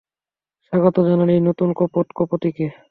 স্বাগত জানান এই নতুন কপোত কপোতীকে!